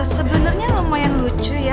sebenernya lumayan lucu ya